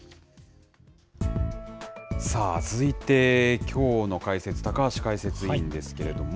さあ、続いて、きょうの解説、高橋解説委員ですけれども。